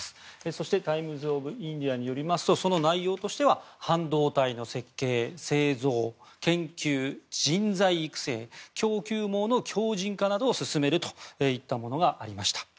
そしてタイムズ・オブ・インディアによりますとその内容としては半導体の設計、製造研究、人材育成供給網の強じん化などを進めるといったものがありました。